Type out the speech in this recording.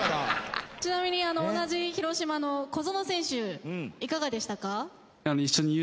ちなみに同じ広島の小園選手いかがでしたか？